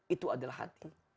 itu adalah hati